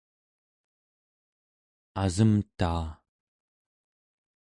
asemtaa